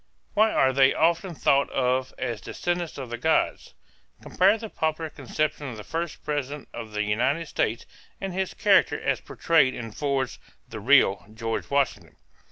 Why are they often thought of as descendants of the gods? Compare the popular conception of the first president of the United States and his character as portrayed in Ford's "The Real George Washington."